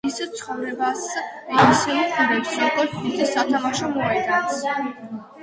ის ცხოვრებას ისე უყურებს, როგორც დიდ სათამაშო მოედანს.